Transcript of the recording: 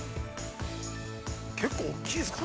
結構大きいですからね。